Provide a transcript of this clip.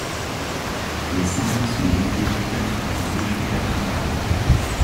Les saints sont groupés quatre à gauche et quatre à droite.